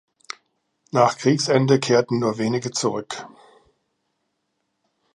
Nach Kriegsende kehrten nur wenige zurück.